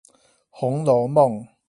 紅樓夢